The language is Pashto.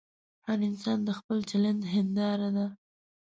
هر انسان د خپل چلند هنداره ده.